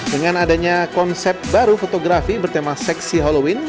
dengan adanya konsep baru fotografi bertema seksi halloween